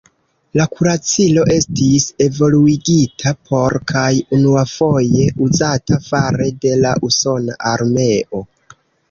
La kuracilo estis evoluigita por kaj unuafoje uzata fare de la usona armeo.